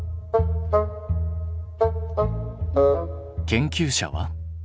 研究者は？